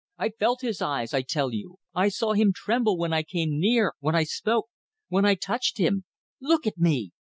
I felt his eyes, I tell you! I saw him tremble when I came near when I spoke when I touched him. Look at me!